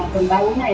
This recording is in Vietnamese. cần bánh này